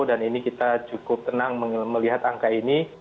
dan ini kita cukup tenang melihat angka ini